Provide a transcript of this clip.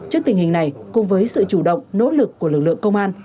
trước tình hình này cùng với sự chủ động nỗ lực của lực lượng công an